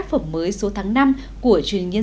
mắt em mùa thu nắng rơi trên đầu